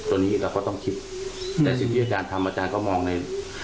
ตัวนี้เราก็ต้องคิดแต่สิ่งที่อาจารย์ทำอาจารย์ก็มองใน